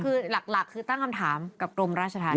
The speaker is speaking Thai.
คือหลักคือตั้งคำถามกับกรมราชธรรม